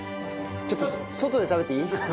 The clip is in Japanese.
ちょっと外で食べていい？